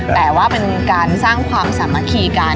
แต่ว่าเป็นการสร้างความสามัคคีกัน